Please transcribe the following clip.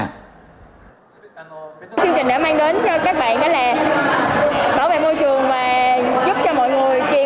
chương trình đã mang đến cho các bạn là tảo vệ môi trường và giúp cho mọi người